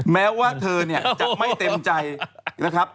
แม้ว่าเธอเนี่ยจะไม่เต็มใจนะครับ